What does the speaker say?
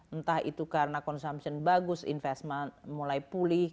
entah itu karena consumption bagus investment mulai pulih